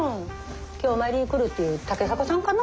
今日お参りに来るっていう竹迫さんかな？